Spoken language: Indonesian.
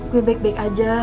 gue baik baik aja